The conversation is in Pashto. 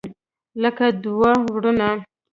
لکه دوه ورونه.